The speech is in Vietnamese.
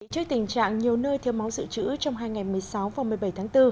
trước tình trạng nhiều nơi thiếu máu dự trữ trong hai ngày một mươi sáu và một mươi bảy tháng bốn